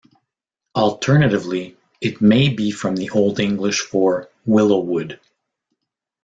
Alternatively, it may be from the Old English for "Willow Wood".